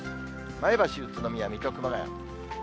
前橋、宇都宮、水戸、熊谷。